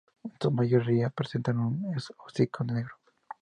En su mayoría, presentan un hocico negro.